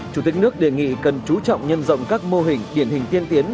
chủ tịch nước đề nghị cần chú trọng nhân rộng các mô hình điển hình tiên tiến